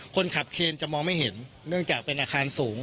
คนขับเคนจะมองไม่เห็นเนื่องจากเป็นอาคารสูง